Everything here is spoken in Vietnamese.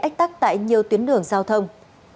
ách tắc tại nhiều tuyến đường giao thông